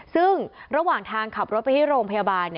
ซึ่งระหว่างทางขับรถไปที่โรงพยาบาล